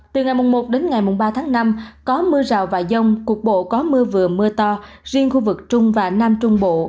từ ngày một đến ngày ba tháng năm có mưa rào và rông cục bộ có mưa vừa mưa to riêng khu vực trung và nam trung bộ